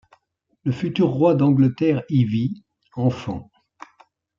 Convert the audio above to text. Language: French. Le futur roi d’Angleterre y vit, enfant.